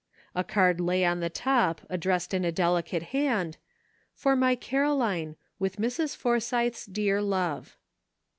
A card lay on the top, addressed in a delicate hand: "For my Caroline, with Mrs. For sythe's dear love."